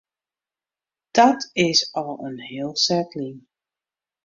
Dat is al in heel set lyn.